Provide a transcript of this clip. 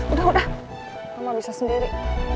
udah udah lama bisa sendiri